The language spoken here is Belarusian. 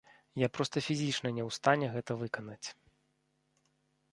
Я проста фізічна не ў стане гэта выканаць.